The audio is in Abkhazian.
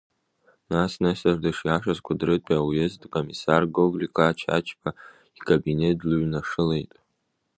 Нас Нестор дышиашаз Кәыдрытәи ауездтә комиссар Гоглика Ачачба икабинет длыҩнашылеит.